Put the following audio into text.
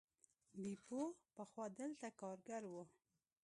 بیپو پخوا دلته کارګر و.